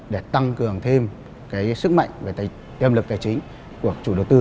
để tăng cường thêm cái sức mạnh và đem lực tài chính của chủ đầu tư